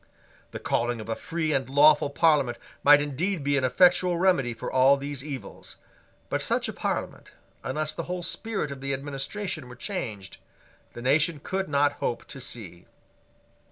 The calling of a free and lawful Parliament might indeed be an effectual remedy for all these evils: but such a Parliament, unless the whole spirit of the administration were changed, the nation could not hope to see.